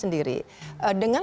menurut saya pasti mereka berhasil